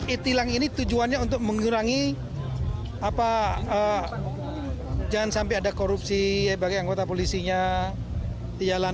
e tilang ini tujuannya untuk mengurangi apa jangan sampai ada korupsi bagi anggota polisinya